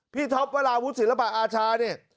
ท็อปวราวุฒิศิลปะอาชาเนี่ย